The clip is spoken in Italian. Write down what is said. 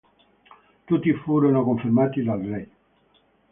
Tutti furono confermati dal re.